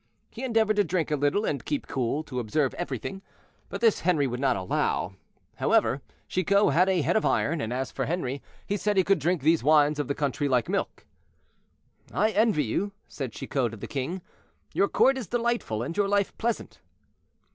He endeavored to drink little and keep cool, to observe everything; but this Henri would not allow. However, Chicot had a head of iron, and as for Henri, he said he could drink these wines of the country like milk. "I envy you," said Chicot to the king; "your court is delightful, and your life pleasant."